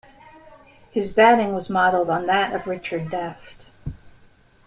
His batting was modelled on that of Richard Daft.